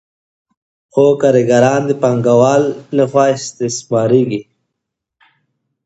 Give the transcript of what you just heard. خو کارګران د پانګوال له خوا استثمارېږي